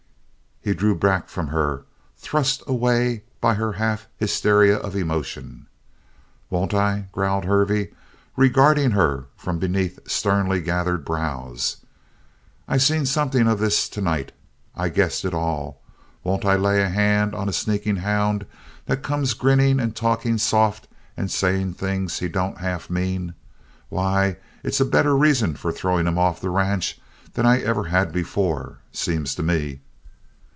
He drew back from her, thrust away by her half hysteria of emotion. "Won't I?" growled Hervey, regarding her from beneath sternly gathered brows. "I seen something of this to night. I guessed it all. Won't I lay a hand on a sneaking hound that comes grinning and talking soft and saying things he don't half mean? Why, it's a better reason for throwing him off the ranch than I ever had before, seems to me!"